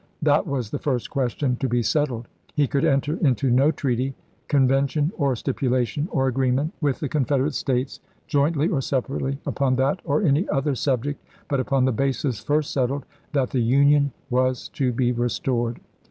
That was the first question to be settled. He could enter into no treaty, conven tion, or stipulation, or agreement with the Confed erate States, jointly or separately, upon that or any other subject, but upon the basis first settled, that the Union was to be restored.